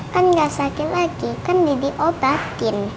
kan gak sakit lagi kan didiobatin